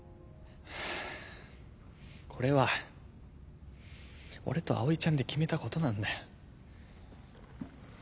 これは俺と葵ちゃんで決めたことなんだよ。